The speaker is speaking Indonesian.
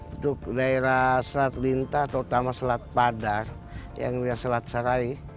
untuk daerah selat lintah atau utama selat padar yang dia selat sarai